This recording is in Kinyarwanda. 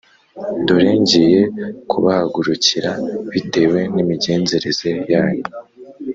Dore ngiye kubahagurukira bitewe n imigenzereze yanyu